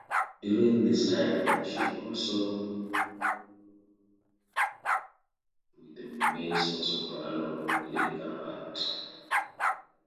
During this time she also studied voice with the mezzo-soprano Linda Hirst.